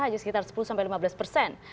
hanya sekitar sepuluh sampai lima belas persen